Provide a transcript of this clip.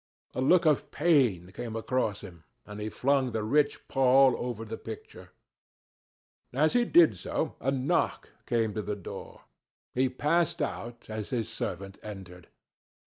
A look of pain came across him, and he flung the rich pall over the picture. As he did so, a knock came to the door. He passed out as his servant entered.